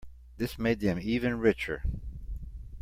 This made them even richer.